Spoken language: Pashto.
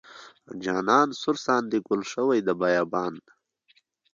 جانان سور ساندې ګل شوې د بیابان.